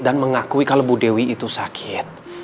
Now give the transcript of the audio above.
dan mengakui kalau bu dewi itu sakit